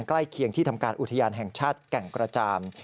ใกล้เคียงที่ทำการอุทยานแห่งชาติแก่งกระจาม